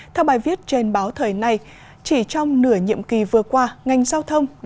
theo bài viết trên báo thời này chỉ trong nửa nhiệm kỳ vừa qua